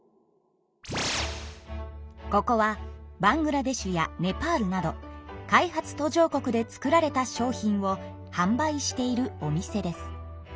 ここはバングラデシュやネパールなど開発途上国で作られた商品をはん売しているお店です。